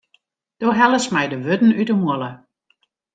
Do hellest my de wurden út de mûle.